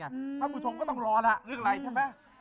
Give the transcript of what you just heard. ท่านผู้ชมก็ต้องรอแล้วเรื่องอะไรใช่ไหม